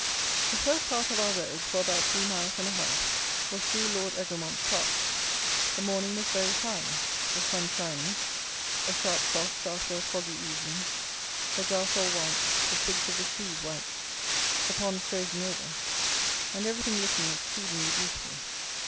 The first part of our road, for about three miles and a half, was through Lord Egremont's Park. The morning was very fine; the sun shining; a sharp frost after a foggy evening; the grass all white, the twigs of the trees white, the ponds frozen over; and everything looking exceedingly beautiful.